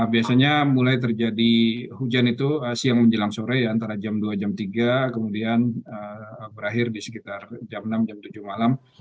biasanya mulai terjadi hujan itu siang menjelang sore antara jam dua jam tiga kemudian berakhir di sekitar jam enam jam tujuh malam